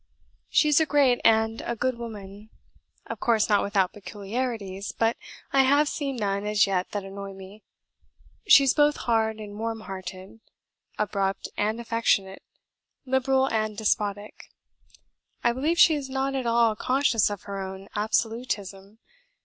She is a great and a good woman; of course not without peculiarities, but I have seen none as yet that annoy me. She is both hard and warm hearted, abrupt and affectionate, liberal and despotic. I believe she is not at all conscious of her own absolutism.